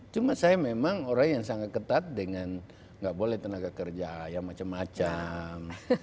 cuma saya memang orang yang sangat ketat dengan nggak boleh tenaga kerja yang macam macam